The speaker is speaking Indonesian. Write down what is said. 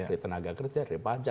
dari tenaga kerja dari pajak